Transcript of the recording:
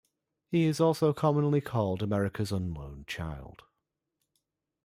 He is also commonly called America's Unknown Child.